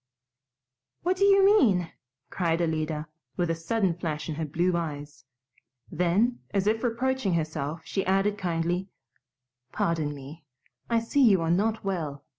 "What do you mean?" cried Alida, with a sudden flash in her blue eyes. Then, as if reproaching herself, she added kindly, "Pardon me. I see you are not well.